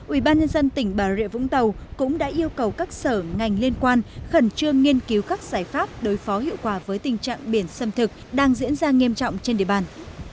ubnd tỉnh bà rịa vũng tàu cũng đã yêu cầu các sở ngành liên quan khẩn trương nghiên cứu các giải pháp đối phó hiệu quả với tình trạng biển xâm thực đang diễn ra nghiêm trọng trên địa bàn